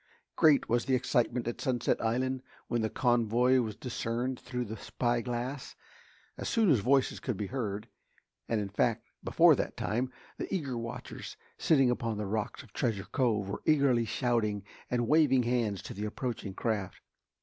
Great was the excitement at Sunset Island when the convoy was discerned through the spyglass. As soon as voices could be heard, and in fact before that time, the eager watchers sitting upon the rocks of Treasure Cove were eagerly shouting and waving hands to the approaching craft.